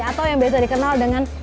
atau yang biasa dikenal dengan